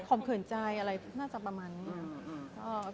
มเขินใจอะไรน่าจะประมาณนี้